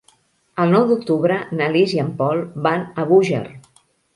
El nou d'octubre na Lis i en Pol van a Búger.